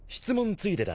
ついでだ。